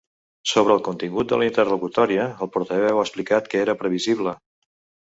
Sobre el contingut de la interlocutòria, el portaveu ha explicat que era previsible.